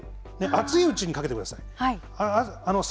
熱いうちにかけてください。